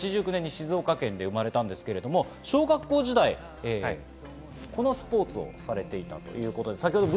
１９８９年静岡県で生まれたんですが、小学校時代、このスポーツをされていたということです。